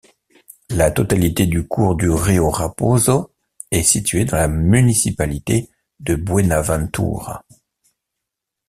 La totalité du cours du río Raposo est situé dans la municipalité de Buenaventura.